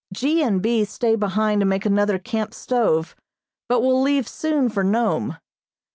G. and B. stay behind to make another camp stove but will leave soon for Nome.